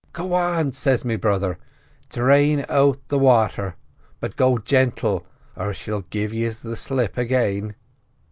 "'Go on,' says me brother. 'Drain out the wather, but go gentle, or she'll give yiz the slip again.